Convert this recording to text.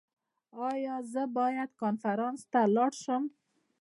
ایا زه باید کنفرانس ته لاړ شم؟